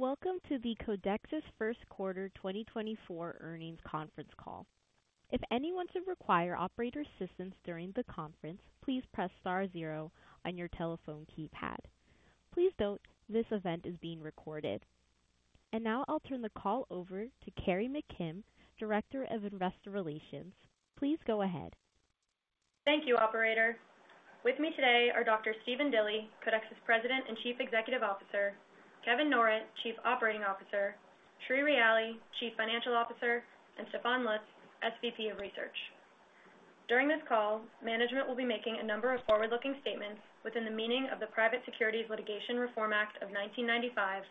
Welcome to the Codexis First Quarter 2024 earnings conference call. If anyone should require operator assistance during the conference, please press star zero on your telephone keypad. Please note, this event is being recorded. Now I'll turn the call over to Carrie McKim, Director of Investor Relations. Please go ahead. Thank you, operator. With me today are Dr. Stephen Dilly, Codexis President and Chief Executive Officer, Kevin Norrett, Chief Operating Officer, Sriram Ryali, Chief Financial Officer, and Stefan Lutz, SVP of Research. During this call, management will be making a number of forward-looking statements within the meaning of the Private Securities Litigation Reform Act of 1995,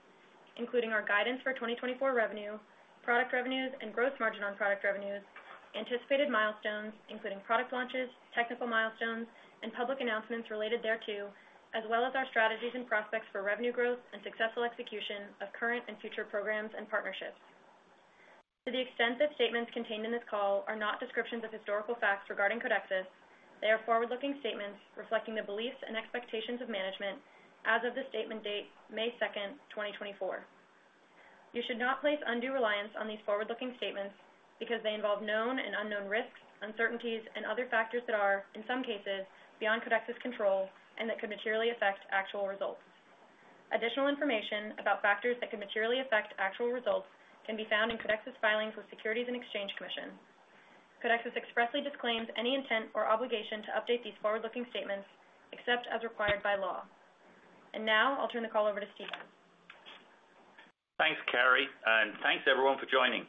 including our guidance for 2024 revenue, product revenues, and gross margin on product revenues, anticipated milestones including product launches, technical milestones, and public announcements related thereto, as well as our strategies and prospects for revenue growth and successful execution of current and future programs and partnerships. To the extent that statements contained in this call are not descriptions of historical facts regarding Codexis, they are forward-looking statements reflecting the beliefs and expectations of management as of the statement date, May 2, 2024. You should not place undue reliance on these forward-looking statements because they involve known and unknown risks, uncertainties, and other factors that are, in some cases, beyond Codexis' control and that could materially affect actual results. Additional information about factors that could materially affect actual results can be found in Codexis filings with the Securities and Exchange Commission. Codexis expressly disclaims any intent or obligation to update these forward-looking statements except as required by law. And now I'll turn the call over to Stephen. Thanks, Carrie, and thanks everyone for joining.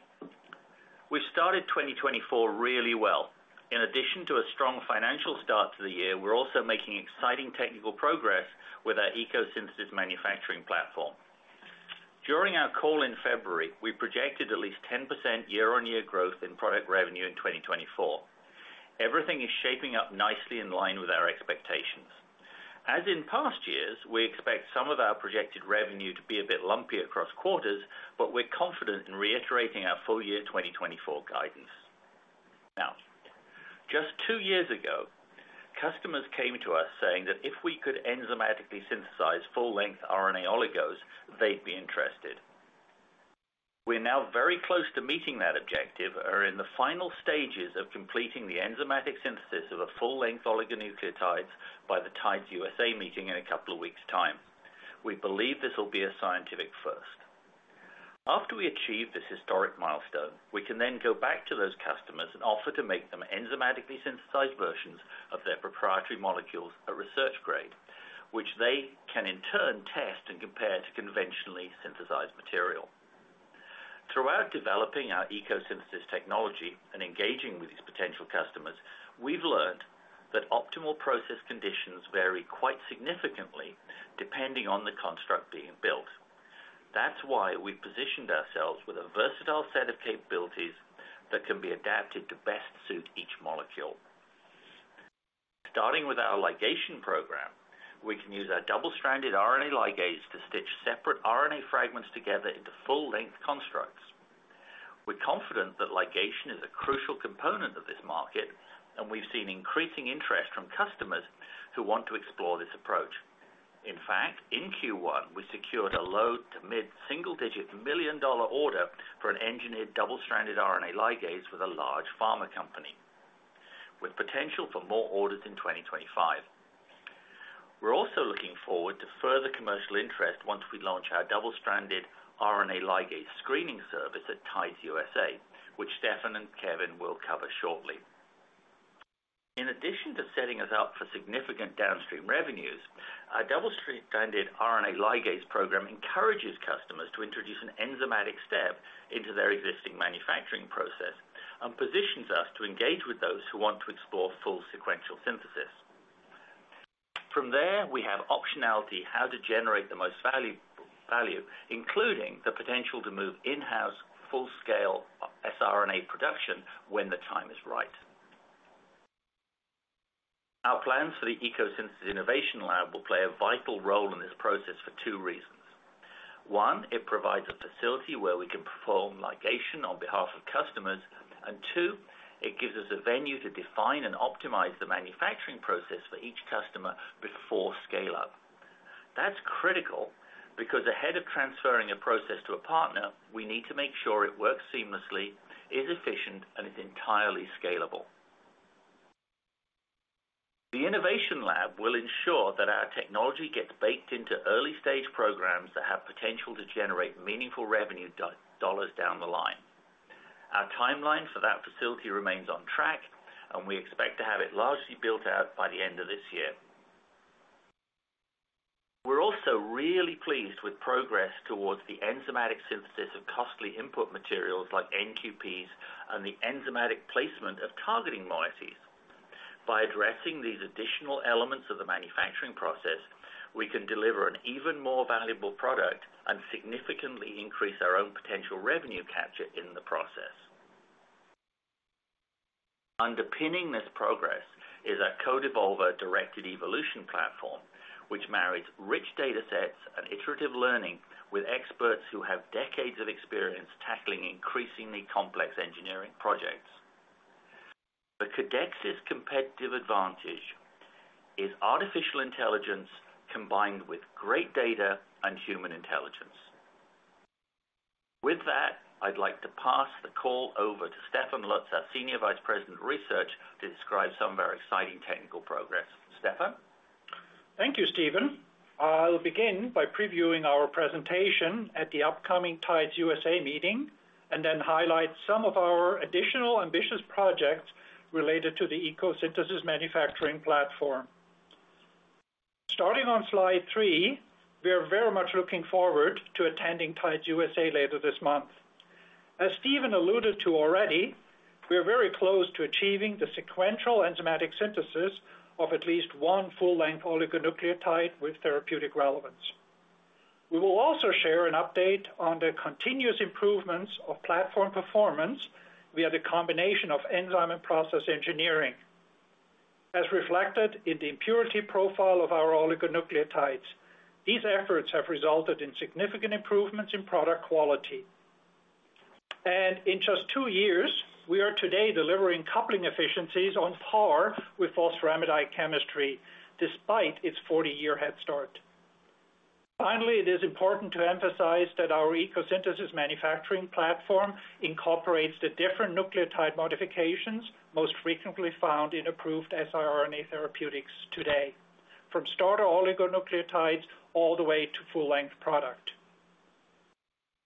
We've started 2024 really well. In addition to a strong financial start to the year, we're also making exciting technical progress with our ECO Synthesis Manufacturing platform. During our call in February, we projected at least 10% year-on-year growth in product revenue in 2024. Everything is shaping up nicely in line with our expectations. As in past years, we expect some of our projected revenue to be a bit lumpy across quarters, but we're confident in reiterating our full-year 2024 guidance. Now, just two years ago, customers came to us saying that if we could enzymatically synthesize full-length RNA oligos, they'd be interested. We're now very close to meeting that objective or in the final stages of completing the enzymatic synthesis of a full-length oligonucleotides by the Tides USA meeting in a couple of weeks' time. We believe this will be a scientific first. After we achieve this historic milestone, we can then go back to those customers and offer to make them enzymatically synthesized versions of their proprietary molecules at research grade, which they can in turn test and compare to conventionally synthesized material. Throughout developing our ECO Synthesis technology and engaging with these potential customers, we've learned that optimal process conditions vary quite significantly depending on the construct being built. That's why we've positioned ourselves with a versatile set of capabilities that can be adapted to best suit each molecule. Starting with our ligation program, we can use our double-stranded RNA ligase to stitch separate RNA fragments together into full-length constructs. We're confident that ligation is a crucial component of this market, and we've seen increasing interest from customers who want to explore this approach. In fact, in Q1, we secured a low-to-mid single-digit $ million order for an engineered double-stranded RNA ligase with a large pharma company, with potential for more orders in 2025. We're also looking forward to further commercial interest once we launch our double-stranded RNA ligase screening service at Tides USA, which Stefan and Kevin will cover shortly. In addition to setting us up for significant downstream revenues, our double-stranded RNA ligase program encourages customers to introduce an enzymatic step into their existing manufacturing process and positions us to engage with those who want to explore full sequential synthesis. From there, we have optionality how to generate the most value, including the potential to move in-house full-scale siRNA production when the time is right. Our plans for the ECO Synthesis Innovation Lab will play a vital role in this process for two reasons. One, it provides a facility where we can perform ligation on behalf of customers. And two, it gives us a venue to define and optimize the manufacturing process for each customer before scale-up. That's critical because ahead of transferring a process to a partner, we need to make sure it works seamlessly, is efficient, and is entirely scalable. The Innovation Lab will ensure that our technology gets baked into early-stage programs that have potential to generate meaningful revenue dollars down the line. Our timeline for that facility remains on track, and we expect to have it largely built out by the end of this year. We're also really pleased with progress towards the enzymatic synthesis of costly input materials like NTPs and the enzymatic placement of targeting moieties. By addressing these additional elements of the manufacturing process, we can deliver an even more valuable product and significantly increase our own potential revenue capture in the process. Underpinning this progress is our CodeEvolver Directed Evolution platform, which marries rich datasets and iterative learning with experts who have decades of experience tackling increasingly complex engineering projects. The Codexis competitive advantage is artificial intelligence combined with great data and human intelligence. With that, I'd like to pass the call over to Stefan Lutz, our Senior Vice President of Research, to describe some very exciting technical progress. Stefan? Thank you, Stephen. I'll begin by previewing our presentation at the upcoming Tides USA meeting and then highlight some of our additional ambitious projects related to the ECO Synthesis Manufacturing platform. Starting on slide three, we are very much looking forward to attending Tides USA later this month. As Stephen alluded to already, we are very close to achieving the sequential enzymatic synthesis of at least one full-length oligonucleotide with therapeutic relevance. We will also share an update on the continuous improvements of platform performance via the combination of enzyme and process engineering. As reflected in the impurity profile of our oligonucleotides, these efforts have resulted in significant improvements in product quality. In just two years, we are today delivering coupling efficiencies on par with phosphoramidite chemistry, despite its 40-year head start. Finally, it is important to emphasize that our ECO Synthesis Manufacturing platform incorporates the different nucleotide modifications most frequently found in approved siRNA therapeutics today, from starter oligonucleotides all the way to full-length product.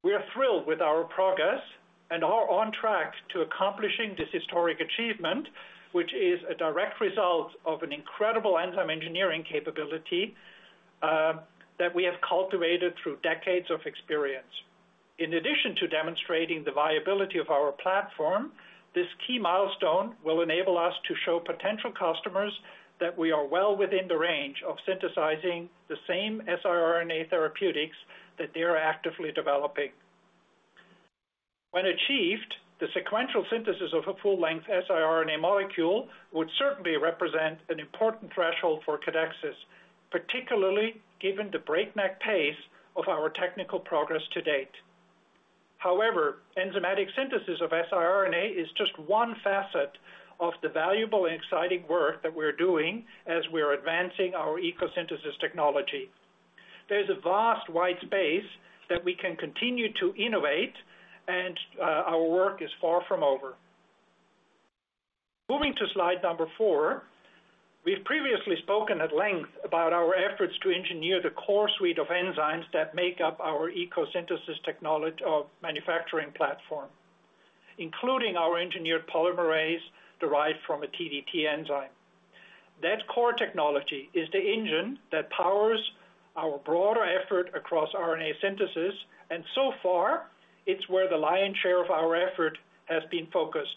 We are thrilled with our progress and are on track to accomplishing this historic achievement, which is a direct result of an incredible enzyme engineering capability that we have cultivated through decades of experience. In addition to demonstrating the viability of our platform, this key milestone will enable us to show potential customers that we are well within the range of synthesizing the same siRNA therapeutics that they are actively developing. When achieved, the sequential synthesis of a full-length siRNA molecule would certainly represent an important threshold for Codexis, particularly given the breakneck pace of our technical progress to date. However, enzymatic synthesis of siRNA is just one facet of the valuable and exciting work that we are doing as we are advancing our ECO Synthesis technology. There is a vast white space that we can continue to innovate, and our work is far from over. Moving to slide number four, we've previously spoken at length about our efforts to engineer the core suite of enzymes that make up our ECO Synthesis Manufacturing platform, including our engineered polymerase derived from a TDT enzyme. That core technology is the engine that powers our broader effort across RNA synthesis, and so far, it's where the lion's share of our effort has been focused.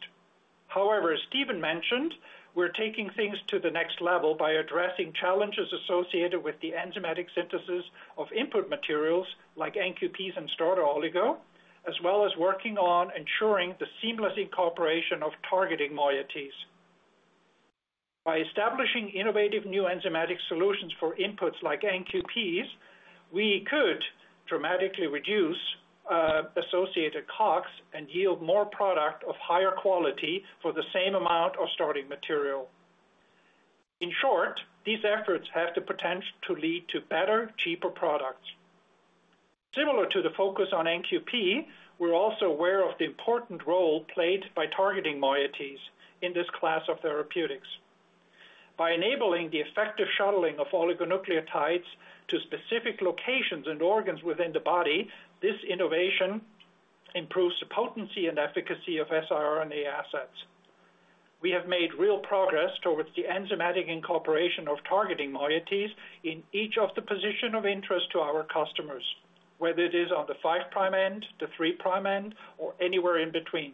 However, as Stephen mentioned, we're taking things to the next level by addressing challenges associated with the enzymatic synthesis of input materials like NQPs and starter oligo, as well as working on ensuring the seamless incorporation of targeting moieties. By establishing innovative new enzymatic solutions for inputs like NQPs, we could dramatically reduce associated COGS and yield more product of higher quality for the same amount of starting material. In short, these efforts have the potential to lead to better, cheaper products. Similar to the focus on NQP, we're also aware of the important role played by targeting moieties in this class of therapeutics. By enabling the effective shuttling of oligonucleotides to specific locations and organs within the body, this innovation improves the potency and efficacy of siRNA assets. We have made real progress towards the enzymatic incorporation of targeting moieties in each of the positions of interest to our customers, whether it is on the five prime end, the three prime end, or anywhere in between.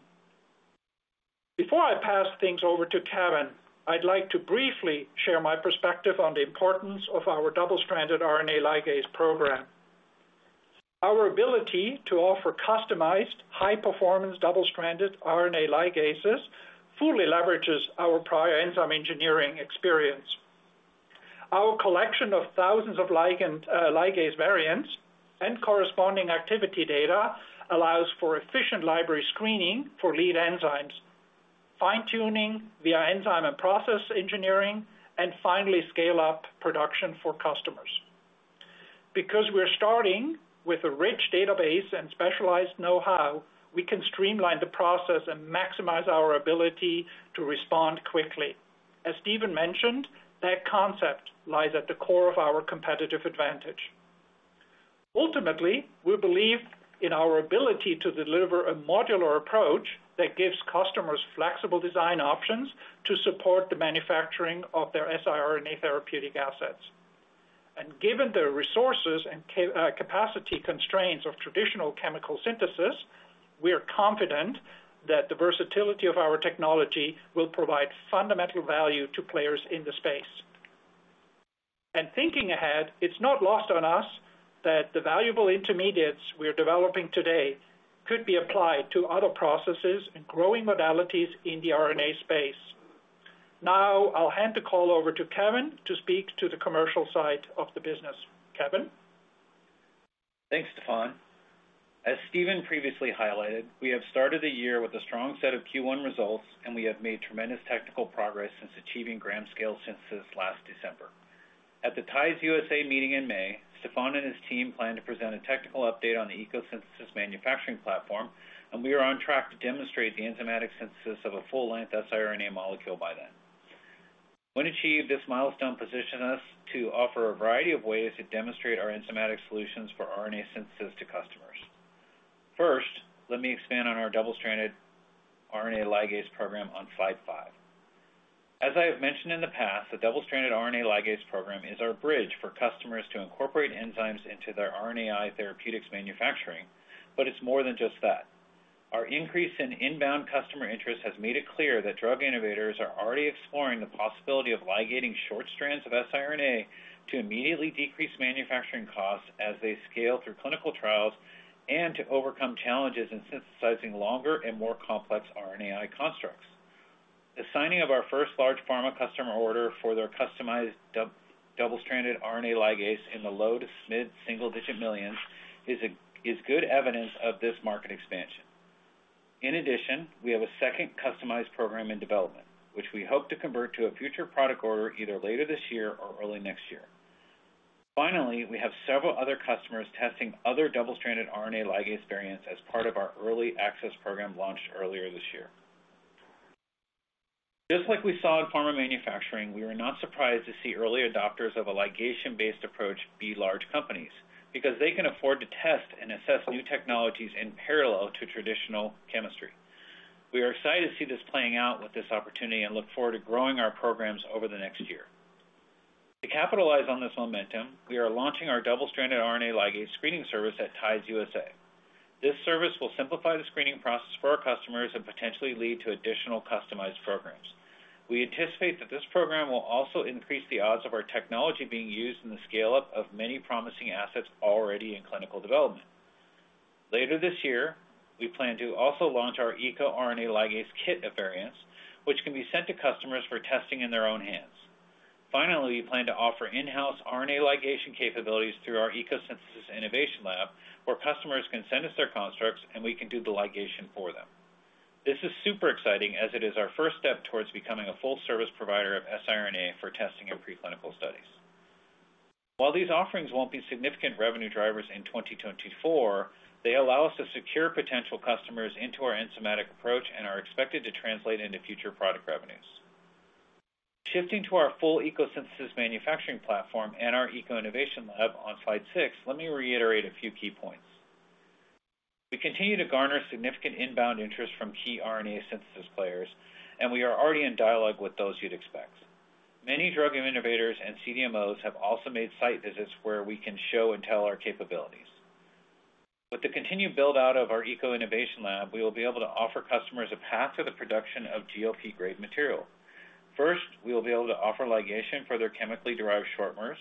Before I pass things over to Kevin, I'd like to briefly share my perspective on the importance of our double-stranded RNA ligase program. Our ability to offer customized, high-performance double-stranded RNA ligases fully leverages our prior enzyme engineering experience. Our collection of thousands of ligase variants and corresponding activity data allows for efficient library screening for lead enzymes, fine-tuning via enzyme and process engineering, and finally scale-up production for customers. Because we are starting with a rich database and specialized know-how, we can streamline the process and maximize our ability to respond quickly. As Stephen mentioned, that concept lies at the core of our competitive advantage. Ultimately, we believe in our ability to deliver a modular approach that gives customers flexible design options to support the manufacturing of their siRNA therapeutic assets. Given the resources and capacity constraints of traditional chemical synthesis, we are confident that the versatility of our technology will provide fundamental value to players in the space. Thinking ahead, it's not lost on us that the valuable intermediates we are developing today could be applied to other processes and growing modalities in the RNA space. Now, I'll hand the call over to Kevin to speak to the commercial side of the business. Kevin? Thanks, Stefan. As Stefan previously highlighted, we have started the year with a strong set of Q1 results, and we have made tremendous technical progress since achieving gram-scale synthesis last December. At the Tides USA meeting in May, Stefan and his team planned to present a technical update on the ECO Synthesis manufacturing platform, and we are on track to demonstrate the enzymatic synthesis of a full-length siRNA molecule by then. When achieved, this milestone positions us to offer a variety of ways to demonstrate our enzymatic solutions for RNA synthesis to customers. First, let me expand on our double-stranded RNA ligase program on slide five. As I have mentioned in the past, the double-stranded RNA ligase program is our bridge for customers to incorporate enzymes into their RNAi therapeutics manufacturing, but it's more than just that. Our increase in inbound customer interest has made it clear that drug innovators are already exploring the possibility of ligating short strands of siRNA to immediately decrease manufacturing costs as they scale through clinical trials and to overcome challenges in synthesizing longer and more complex RNAi constructs. The signing of our first large pharma customer order for their customized double-stranded RNA ligase in the low-to-mid single-digit millions is good evidence of this market expansion. In addition, we have a second customized program in development, which we hope to convert to a future product order either later this year or early next year. Finally, we have several other customers testing other double-stranded RNA ligase variants as part of our early access program launched earlier this year. Just like we saw in pharma manufacturing, we are not surprised to see early adopters of a ligation-based approach be large companies because they can afford to test and assess new technologies in parallel to traditional chemistry. We are excited to see this playing out with this opportunity and look forward to growing our programs over the next year. To capitalize on this momentum, we are launching our double-stranded RNA ligase screening service at Tides USA. This service will simplify the screening process for our customers and potentially lead to additional customized programs. We anticipate that this program will also increase the odds of our technology being used in the scale-up of many promising assets already in clinical development. Later this year, we plan to also launch our ECO RNA ligase kit of variants, which can be sent to customers for testing in their own hands. Finally, we plan to offer in-house RNA ligation capabilities through our ECO Synthesis innovation lab, where customers can send us their constructs, and we can do the ligation for them. This is super exciting as it is our first step towards becoming a full-service provider of siRNA for testing and preclinical studies. While these offerings won't be significant revenue drivers in 2024, they allow us to secure potential customers into our enzymatic approach and are expected to translate into future product revenues. Shifting to our full ECO Synthesis Manufacturing platform and our ECO Innovation Lab on slide six, let me reiterate a few key points. We continue to garner significant inbound interest from key RNA synthesis players, and we are already in dialogue with those you'd expect. Many drug innovators and CDMOs have also made site visits where we can show and tell our capabilities. With the continued build-out of our ECO Innovation Lab, we will be able to offer customers a path to the production of GLP-grade material. First, we will be able to offer ligation for their chemically derived short-mers.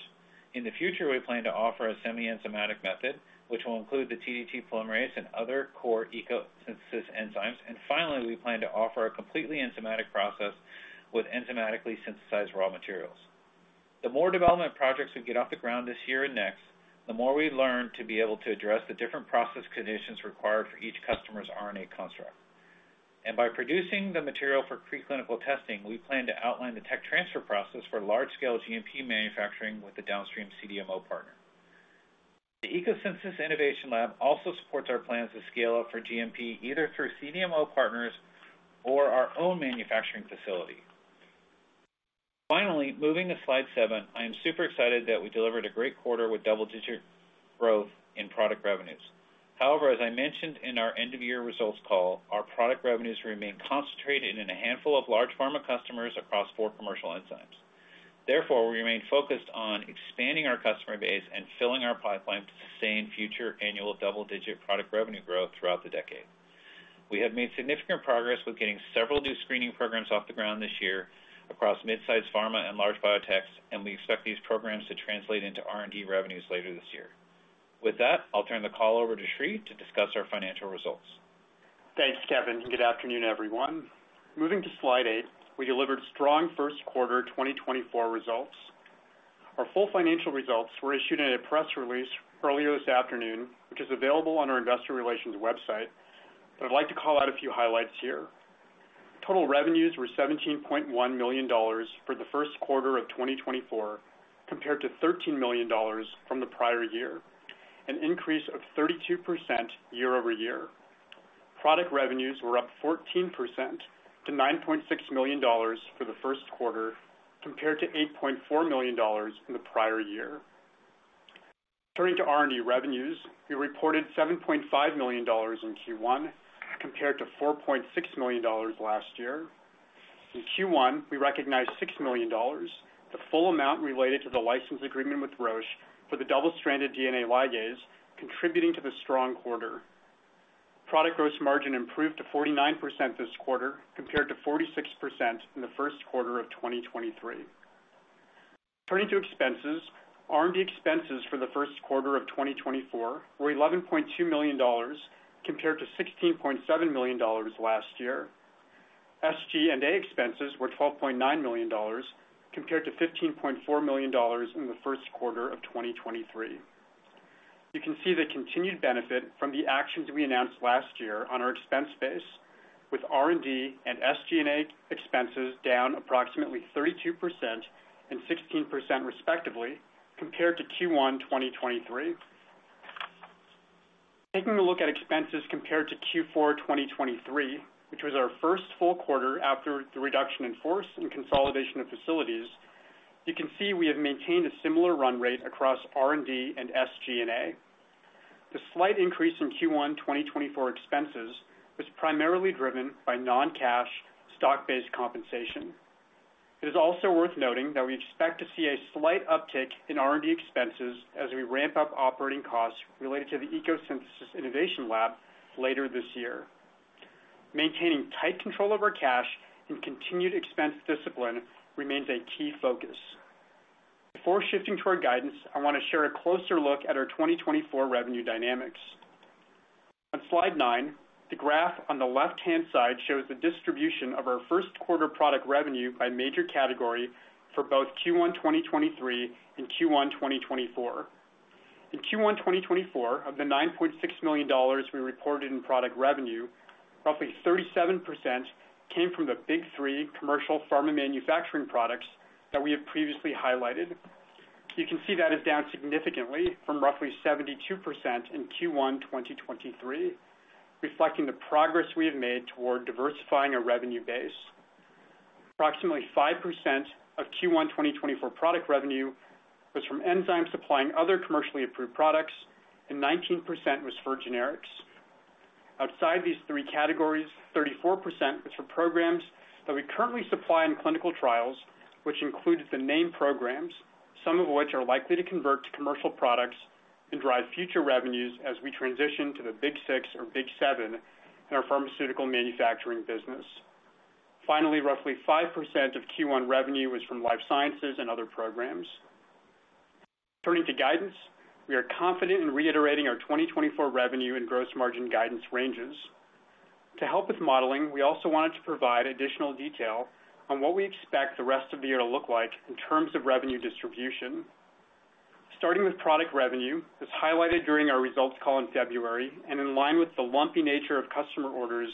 In the future, we plan to offer a semi-enzymatic method, which will include the TDT polymerase and other core ECO Synthesis enzymes. Finally, we plan to offer a completely enzymatic process with enzymatically synthesized raw materials. The more development projects we get off the ground this year and next, the more we learn to be able to address the different process conditions required for each customer's RNA construct. By producing the material for preclinical testing, we plan to outline the tech transfer process for large-scale GMP manufacturing with the downstream CDMO partner. The ECO Synthesis Innovation Lab also supports our plans to scale up for GMP either through CDMO partners or our own manufacturing facility. Finally, moving to slide seven, I am super excited that we delivered a great quarter with double-digit growth in product revenues. However, as I mentioned in our end-of-year results call, our product revenues remain concentrated in a handful of large pharma customers across four commercial enzymes. Therefore, we remain focused on expanding our customer base and filling our pipeline to sustain future annual double-digit product revenue growth throughout the decade. We have made significant progress with getting several new screening programs off the ground this year across mid-sized pharma and large biotechs, and we expect these programs to translate into R&D revenues later this year. With that, I'll turn the call over to Sri to discuss our financial results. Thanks, Kevin, and good afternoon, everyone. Moving to slide eight, we delivered strong first quarter 2024 results. Our full financial results were issued in a press release earlier this afternoon, which is available on our investor relations website, but I'd like to call out a few highlights here. Total revenues were $17.1 million for the first quarter of 2024 compared to $13 million from the prior year, an increase of 32% year-over-year. Product revenues were up 14% to $9.6 million for the first quarter compared to $8.4 million in the prior year. Turning to R&D revenues, we reported $7.5 million in Q1 compared to $4.6 million last year. In Q1, we recognized $6 million, the full amount related to the license agreement with Roche for the double-stranded DNA ligase, contributing to the strong quarter. Product gross margin improved to 49% this quarter compared to 46% in the first quarter of 2023. Turning to expenses, R&D expenses for the first quarter of 2024 were $11.2 million compared to $16.7 million last year. SG&A expenses were $12.9 million compared to $15.4 million in the first quarter of 2023. You can see the continued benefit from the actions we announced last year on our expense base, with R&D and SG&A expenses down approximately 32% and 16% respectively compared to Q1 2023. Taking a look at expenses compared to Q4 2023, which was our first full quarter after the reduction in force and consolidation of facilities, you can see we have maintained a similar run rate across R&D and SG&A. The slight increase in Q1 2024 expenses was primarily driven by non-cash, stock-based compensation. It is also worth noting that we expect to see a slight uptick in R&D expenses as we ramp up operating costs related to the ECO Synthesis Innovation Lab later this year. Maintaining tight control of our cash and continued expense discipline remains a key focus. Before shifting to our guidance, I want to share a closer look at our 2024 revenue dynamics. On slide nine, the graph on the left-hand side shows the distribution of our first quarter product revenue by major category for both Q1 2023 and Q1 2024. In Q1 2024, of the $9.6 million we reported in product revenue, roughly 37% came from the big three commercial pharma manufacturing products that we have previously highlighted. You can see that is down significantly from roughly 72% in Q1 2023, reflecting the progress we have made toward diversifying our revenue base. Approximately 5% of Q1 2024 product revenue was from enzymes supplying other commercially approved products, and 19% was for generics. Outside these three categories, 34% was for programs that we currently supply in clinical trials, which includes the named programs, some of which are likely to convert to commercial products and drive future revenues as we transition to the big six or big seven in our pharmaceutical manufacturing business. Finally, roughly 5% of Q1 revenue was from life sciences and other programs. Turning to guidance, we are confident in reiterating our 2024 revenue and gross margin guidance ranges. To help with modeling, we also wanted to provide additional detail on what we expect the rest of the year to look like in terms of revenue distribution. Starting with product revenue, as highlighted during our results call in February and in line with the lumpy nature of customer orders,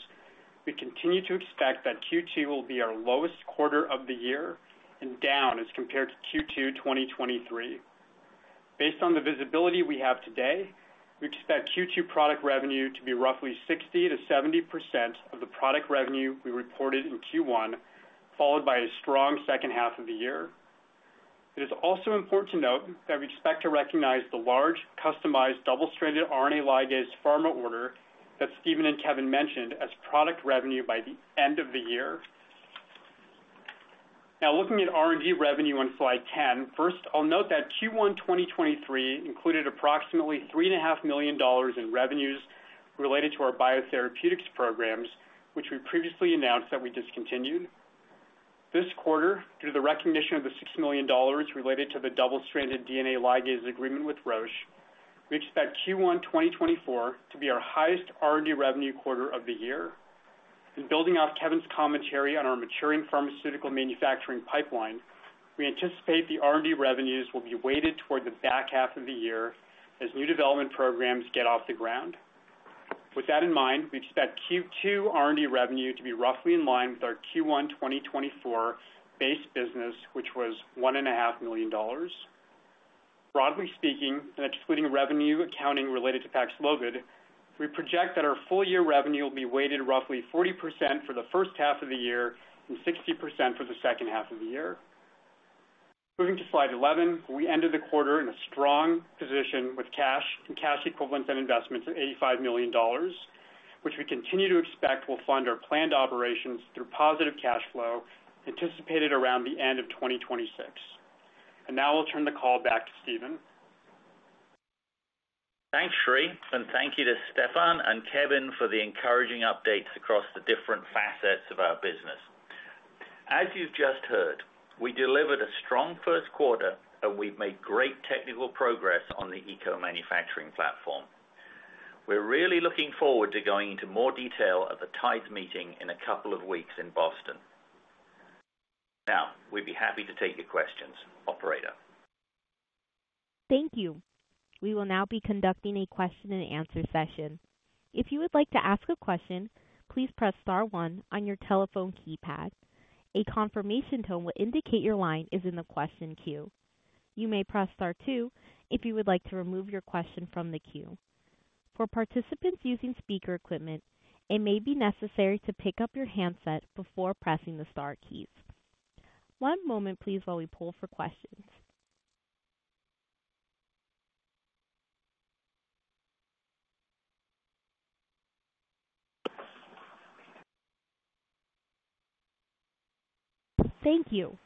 we continue to expect that Q2 will be our lowest quarter of the year and down as compared to Q2 2023. Based on the visibility we have today, we expect Q2 product revenue to be roughly 60%-70% of the product revenue we reported in Q1, followed by a strong second half of the year. It is also important to note that we expect to recognize the large customized double-stranded RNA ligase pharma order that Stephen and Kevin mentioned as product revenue by the end of the year. Now, looking at R&D revenue on slide 10, first, I'll note that Q1 2023 included approximately $3.5 million in revenues related to our biotherapeutics programs, which we previously announced that we discontinued. This quarter, due to the recognition of the $6 million related to the double-stranded DNA ligase agreement with Roche, we expect Q1 2024 to be our highest R&D revenue quarter of the year. And building off Kevin's commentary on our maturing pharmaceutical manufacturing pipeline, we anticipate the R&D revenues will be weighted toward the back half of the year as new development programs get off the ground. With that in mind, we expect Q2 R&D revenue to be roughly in line with our Q1 2024 base business, which was $1.5 million. Broadly speaking, and excluding revenue accounting related to Paxlovid, we project that our full-year revenue will be weighted roughly 40% for the first half of the year and 60% for the second half of the year. Moving to slide 11, we ended the quarter in a strong position with cash and cash equivalents and investments of $85 million, which we continue to expect will fund our planned operations through positive cash flow anticipated around the end of 2026. Now I'll turn the call back to Stefan. Thanks, Sri, and thank you to Stefan and Kevin for the encouraging updates across the different facets of our business. As you've just heard, we delivered a strong first quarter, and we've made great technical progress on the ECO Manufacturing platform. We're really looking forward to going into more detail at the Tides meeting in a couple of weeks in Boston. Now, we'd be happy to take your questions, operator. Thank you. We will now be conducting a question-and-answer session. If you would like to ask a question, please press star one on your telephone keypad. A confirmation tone will indicate your line is in the question queue. You may press star two if you would like to remove your question from the queue. For participants using speaker equipment, it may be necessary to pick up your handset before pressing the star keys. One moment, please, while we pull for questions. Thank you.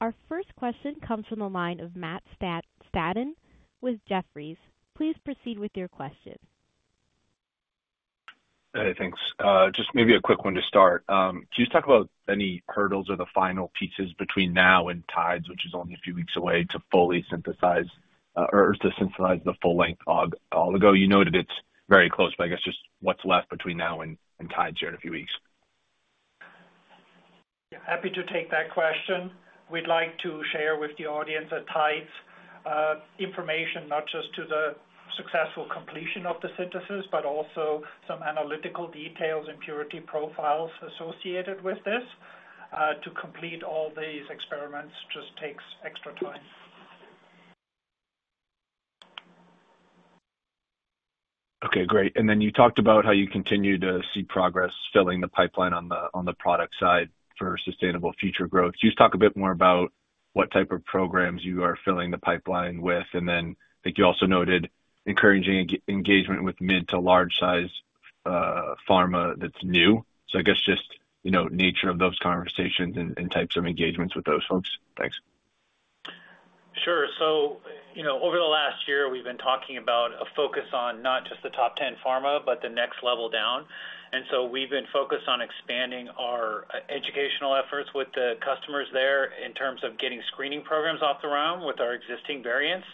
Our first question comes from the line of Matt Staden with Jefferies. Please proceed with your question. Hey, thanks. Just maybe a quick one to start. Can you just talk about any hurdles or the final pieces between now and Tides, which is only a few weeks away, to fully synthesize or to synthesize the full-length oligo? Although you noted it's very close, but I guess just what's left between now and Tides here in a few weeks? Yeah, happy to take that question. We'd like to share with the audience at Tides information, not just to the successful completion of the synthesis, but also some analytical details and purity profiles associated with this. To complete all these experiments just takes extra time. Okay, great. And then you talked about how you continue to see progress filling the pipeline on the product side for sustainable future growth. Can you just talk a bit more about what type of programs you are filling the pipeline with? And then I think you also noted encouraging engagement with mid to large-sized pharma that's new. So I guess just nature of those conversations and types of engagements with those folks. Thanks. Sure. So over the last year, we've been talking about a focus on not just the top 10 pharma, but the next level down. And so we've been focused on expanding our educational efforts with the customers there in terms of getting screening programs off the ground with our existing variants.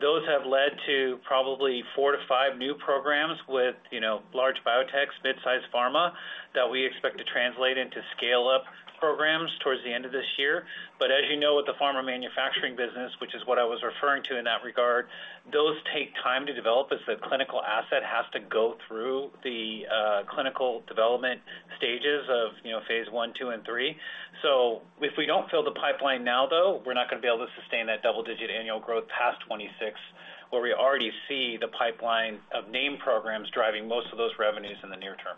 Those have led to probably four to five new programs with large biotechs, mid-sized pharma that we expect to translate into scale-up programs towards the end of this year. But as you know, with the pharma manufacturing business, which is what I was referring to in that regard, those take time to develop as the clinical asset has to go through the clinical development stages of phase one, two, and three. If we don't fill the pipeline now, though, we're not going to be able to sustain that double-digit annual growth past 2026, where we already see the pipeline of named programs driving most of those revenues in the near term.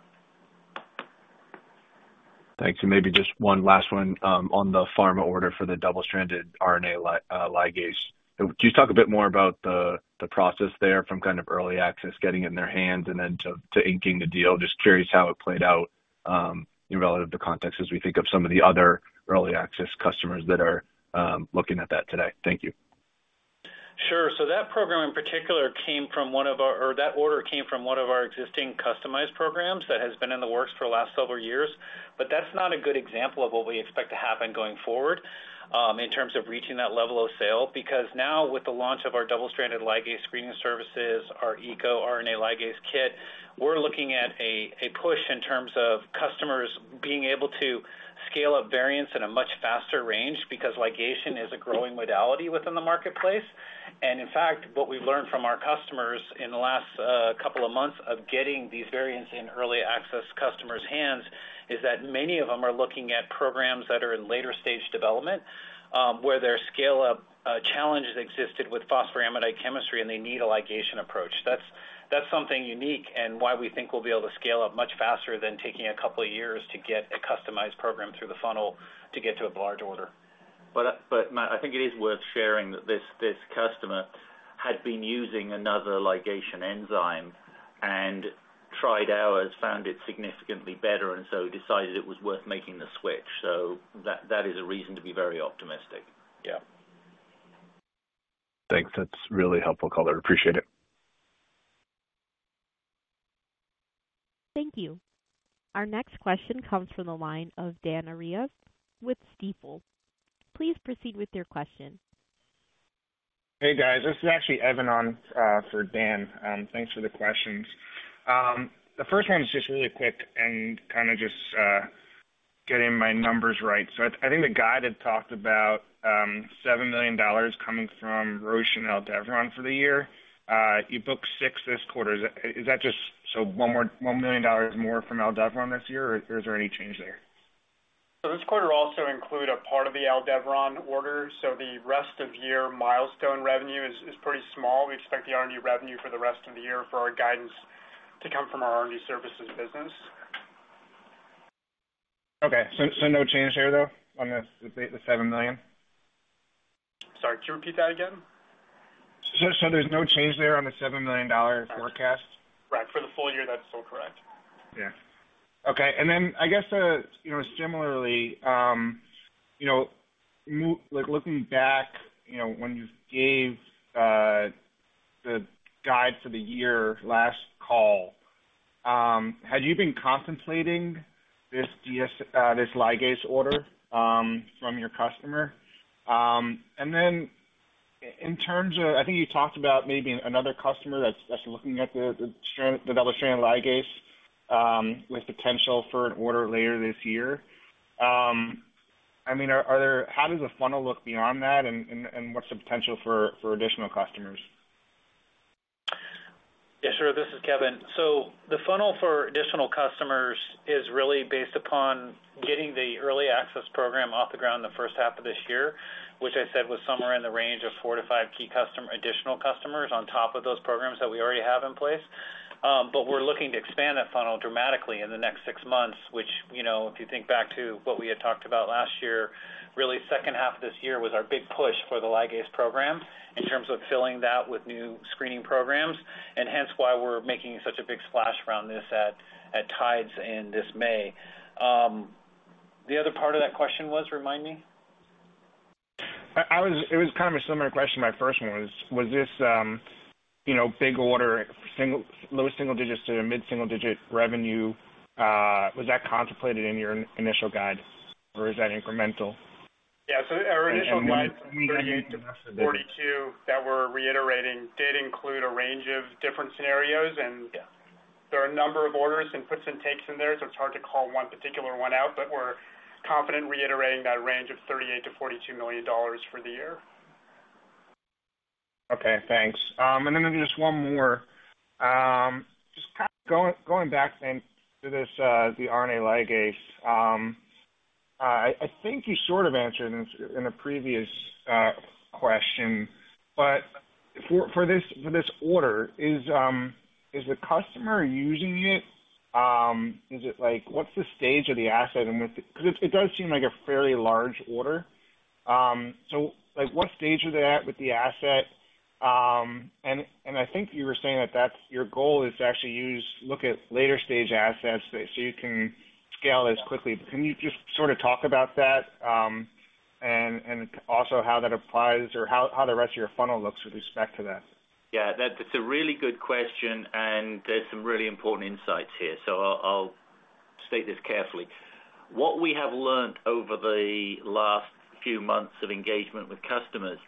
Thanks. Maybe just one last one on the pharma order for the double-stranded RNA ligase. Can you just talk a bit more about the process there from kind of early access, getting it in their hands, and then to inking the deal? Just curious how it played out relative to context as we think of some of the other early access customers that are looking at that today. Thank you. Sure. So that program in particular came from one of our existing customized programs that has been in the works for the last several years. But that's not a good example of what we expect to happen going forward in terms of reaching that level of sale. Because now, with the launch of our double-stranded ligase screening services, our ECO RNA ligase kit, we're looking at a push in terms of customers being able to scale up variants in a much faster range because ligation is a growing modality within the marketplace. In fact, what we've learned from our customers in the last couple of months of getting these variants in early access customers' hands is that many of them are looking at programs that are in later stage development where their scale-up challenges existed with phosphoramidite chemistry, and they need a ligation approach. That's something unique and why we think we'll be able to scale up much faster than taking a couple of years to get a customized program through the funnel to get to a large order. But Matt, I think it is worth sharing that this customer had been using another ligation enzyme and tried ours, found it significantly better, and so decided it was worth making the switch. So that is a reason to be very optimistic. Yeah. Thanks. That's really helpful, Color. Appreciate it. Thank you. Our next question comes from the line of Dan Arias with Stifel. Please proceed with your question. Hey, guys. This is actually Evan on for Dan. Thanks for the questions. The first one is just really quick and kind of just getting my numbers right. So I think the guide had talked about $7 million coming from Roche and Aldevron for the year. You booked $6 million this quarter. Is that just $1 million more from Aldevron this year, or is there any change there? This quarter also includes a part of the Aldevron order. The rest of year milestone revenue is pretty small. We expect the R&D revenue for the rest of the year for our guidance to come from our R&D services business. Okay. So no change here, though, on the $7 million? Sorry. Can you repeat that again? There's no change there on the $7 million forecast? Correct. For the full year, that's still correct. Yeah. Okay. And then I guess similarly, looking back when you gave the guide for the year last call, had you been contemplating this ligase order from your customer? And then in terms of I think you talked about maybe another customer that's looking at the double-stranded ligase with potential for an order later this year. I mean, how does the funnel look beyond that, and what's the potential for additional customers? Yeah, sure. This is Kevin. So the funnel for additional customers is really based upon getting the early access program off the ground the first half of this year, which I said was somewhere in the range of four to five key additional customers on top of those programs that we already have in place. But we're looking to expand that funnel dramatically in the next six months, which if you think back to what we had talked about last year, really second half of this year was our big push for the ligase program in terms of filling that with new screening programs, and hence why we're making such a big splash around this at Tides in this May. The other part of that question was, remind me? It was kind of a similar question. My first one was, was this big order, lower single-digit to mid-single-digit revenue, was that contemplated in your initial guide, or is that incremental? Yeah. So our initial guide, $38 million-$42 million, that we're reiterating, did include a range of different scenarios. And there are a number of orders and puts and takes in there, so it's hard to call one particular one out. But we're confident reiterating that range of $38 million-$42 million for the year. Okay. Thanks. And then just one more. Just kind of going back to the RNA ligase, I think you sort of answered in a previous question. But for this order, is the customer using it? What's the stage of the asset? Because it does seem like a fairly large order. So what stage are they at with the asset? And I think you were saying that your goal is to actually look at later stage assets so you can scale as quickly. Can you just sort of talk about that and also how that applies or how the rest of your funnel looks with respect to that? Yeah. That's a really good question, and there's some really important insights here. So I'll state this carefully. What we have learned over the last few months of engagement with customers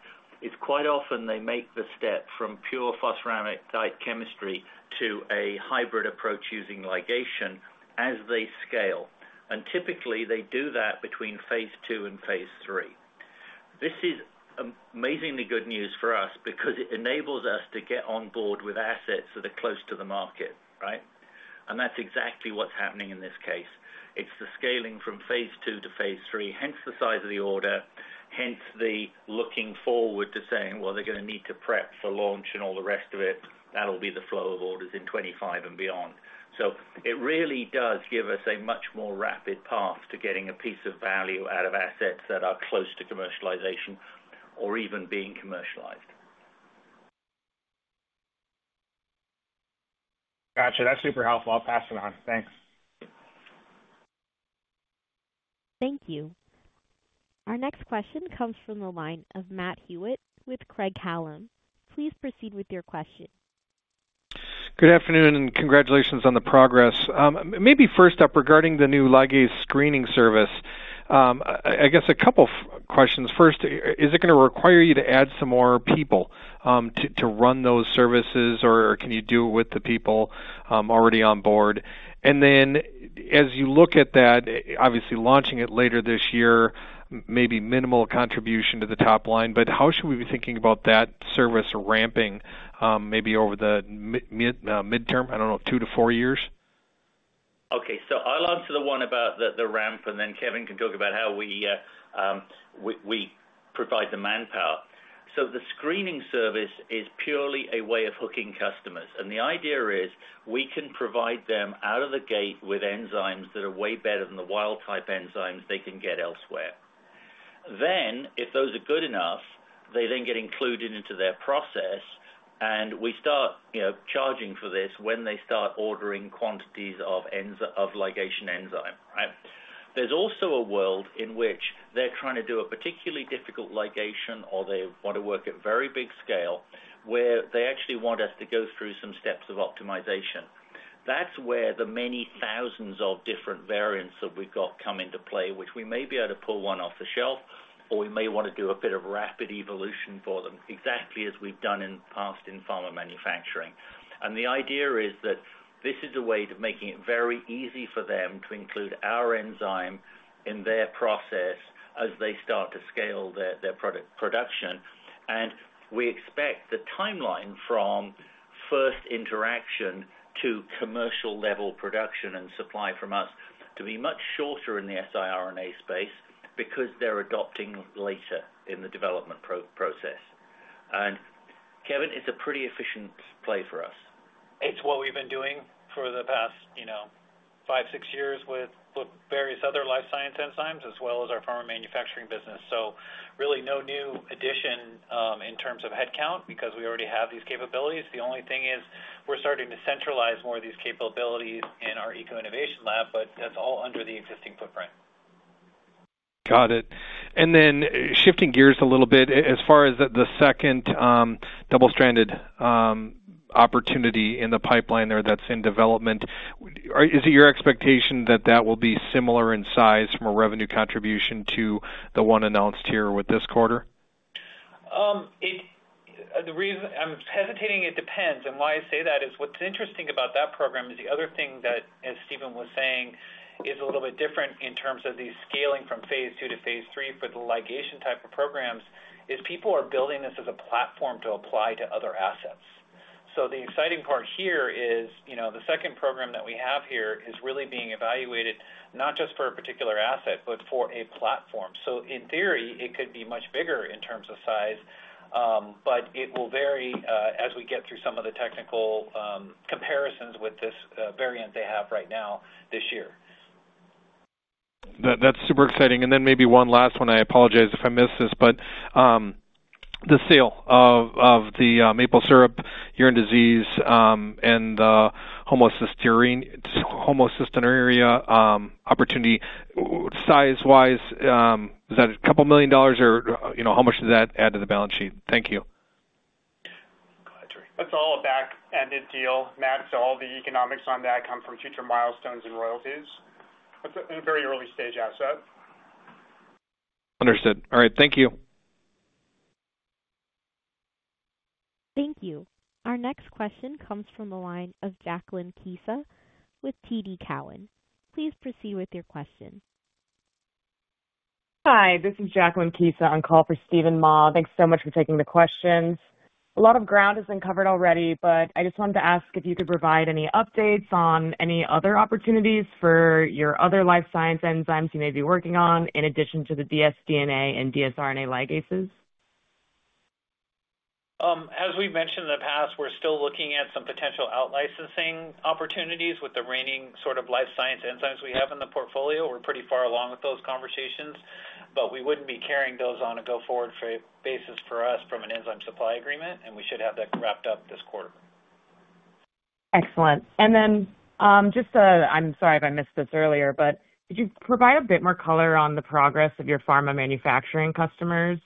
is quite often they make the step from pure phosphoramidite chemistry to a hybrid approach using ligation as they scale. And typically, they do that between phase 2 and phase 3. This is amazingly good news for us because it enables us to get on board with assets that are close to the market, right? And that's exactly what's happening in this case. It's the scaling from phase 2 to phase 3, hence the size of the order, hence the looking forward to saying, "Well, they're going to need to prep for launch and all the rest of it. That'll be the flow of orders in 2025 and beyond. So it really does give us a much more rapid path to getting a piece of value out of assets that are close to commercialization or even being commercialized. Gotcha. That's super helpful. I'll pass it on. Thanks. Thank you. Our next question comes from the line of Matt Hewitt with Craig-Hallum. Please proceed with your question. Good afternoon and congratulations on the progress. Maybe first up, regarding the new ligase screening service, I guess a couple of questions. First, is it going to require you to add some more people to run those services, or can you do it with the people already on board? And then as you look at that, obviously, launching it later this year, maybe minimal contribution to the top line. But how should we be thinking about that service ramping maybe over the midterm? I don't know, two to four years? Okay. So I'll answer the one about the ramp, and then Kevin can talk about how we provide the manpower. So the screening service is purely a way of hooking customers. And the idea is we can provide them out of the gate with enzymes that are way better than the wild-type enzymes they can get elsewhere. Then if those are good enough, they then get included into their process, and we start charging for this when they start ordering quantities of ligation enzyme, right? There's also a world in which they're trying to do a particularly difficult ligation, or they want to work at very big scale, where they actually want us to go through some steps of optimization. That's where the many thousands of different variants that we've got come into play, which we may be able to pull one off the shelf, or we may want to do a bit of rapid evolution for them exactly as we've done in the past in pharma manufacturing. The idea is that this is a way of making it very easy for them to include our enzyme in their process as they start to scale their production. We expect the timeline from first interaction to commercial-level production and supply from us to be much shorter in the siRNA space because they're adopting later in the development process. Kevin, it's a pretty efficient play for us. It's what we've been doing for the past five, six years with various other life science enzymes as well as our pharma manufacturing business. So really no new addition in terms of headcount because we already have these capabilities. The only thing is we're starting to centralize more of these capabilities in our ECO Innovation Lab, but that's all under the existing footprint. Got it. And then shifting gears a little bit, as far as the second double-stranded opportunity in the pipeline there that's in development, is it your expectation that that will be similar in size from a revenue contribution to the one announced here with this quarter? I'm hesitating. It depends. And why I say that is what's interesting about that program is the other thing that, as Stephen was saying, is a little bit different in terms of the scaling from phase two to phase three for the ligation type of programs is people are building this as a platform to apply to other assets. So the exciting part here is the second program that we have here is really being evaluated not just for a particular asset, but for a platform. So in theory, it could be much bigger in terms of size, but it will vary as we get through some of the technical comparisons with this variant they have right now this year. That's super exciting. And then maybe one last one. I apologize if I missed this, but the sale of the maple syrup urine disease and the homocysteine opportunity size-wise, is that $2 million, or how much does that add to the balance sheet? Thank you. That's all a back-ended deal. Matt, so all the economics on that come from future milestones and royalties. It's a very early stage asset. Understood. All right. Thank you. Thank you. Our next question comes from the line of Jacqueline Kisa with TD Cowen. Please proceed with your question. Hi. This is Jacqueline Kisa on call for Steven Ma. Thanks so much for taking the questions. A lot of ground has been covered already, but I just wanted to ask if you could provide any updates on any other opportunities for your other life science enzymes you may be working on in addition to the dsDNA and dsRNA ligases. As we've mentioned in the past, we're still looking at some potential outlicensing opportunities with the remaining sort of life science enzymes we have in the portfolio. We're pretty far along with those conversations, but we wouldn't be carrying those on a go-forward basis for us from an enzyme supply agreement, and we should have that wrapped up this quarter. Excellent. Then just I'm sorry if I missed this earlier, but could you provide a bit more color on the progress of your pharma manufacturing customers?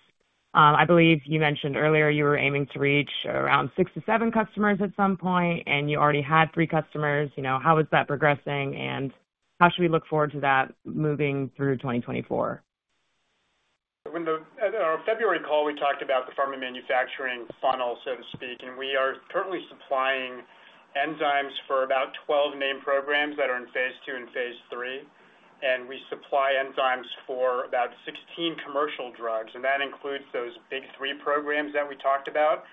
I believe you mentioned earlier you were aiming to reach around six to seven customers at some point, and you already had three customers. How is that progressing, and how should we look forward to that moving through 2024? In our February call, we talked about the pharma manufacturing funnel, so to speak. We are currently supplying enzymes for about 12 named programs that are in phase two and phase three. We supply enzymes for about 16 commercial drugs, and that includes those big three programs that we talked about.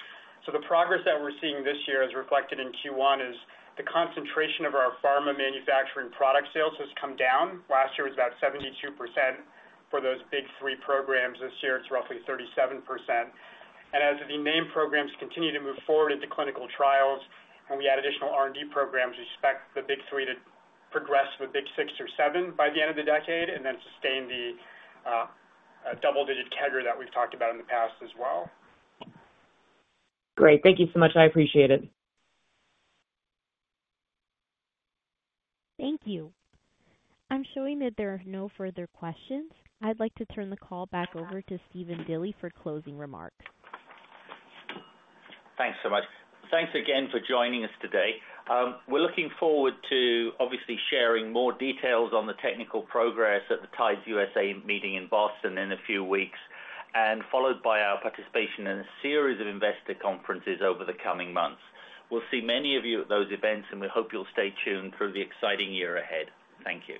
The progress that we're seeing this year as reflected in Q1 is the concentration of our pharma manufacturing product sales has come down. Last year was about 72% for those big three programs. This year, it's roughly 37%. As the named programs continue to move forward into clinical trials and we add additional R&D programs, we expect the big three to progress to the big six or seven by the end of the decade and then sustain the double-digit CAGR that we've talked about in the past as well. Great. Thank you so much. I appreciate it. Thank you. I'm showing that there are no further questions. I'd like to turn the call back over to Stephen Dilly for closing remarks. Thanks so much. Thanks again for joining us today. We're looking forward to obviously sharing more details on the technical progress at the Tides USA meeting in Boston in a few weeks, and followed by our participation in a series of investor conferences over the coming months. We'll see many of you at those events, and we hope you'll stay tuned through the exciting year ahead. Thank you.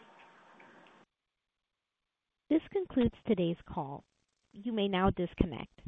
This concludes today's call. You may now disconnect.